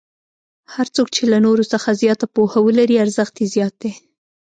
هر څوک چې له نورو څخه زیاته پوهه ولري ارزښت یې زیات دی.